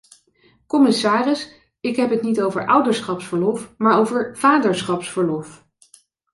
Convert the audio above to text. Commissaris, ik heb het niet over ouderschapsverlof, maar over vaderschapsverlof.